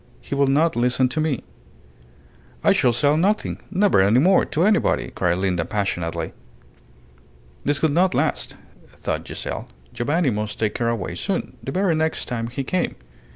He will not listen to me." "I shall say nothing never any more to anybody," cried Linda, passionately. This could not last, thought Giselle. Giovanni must take her away soon the very next time he came.